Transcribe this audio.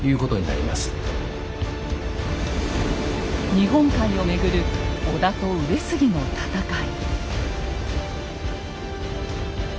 日本海をめぐる織田と上杉の戦い。